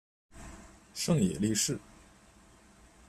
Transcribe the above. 胜野莉世。